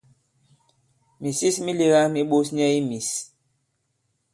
Mìsis mi lēgā mi ɓos nyɛ i mīs.